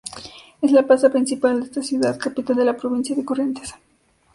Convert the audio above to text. Es la plaza principal de esta ciudad, capital de la Provincia de Corrientes.